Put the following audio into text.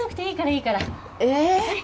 いいからいいから。